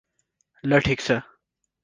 ल ठीक छ ।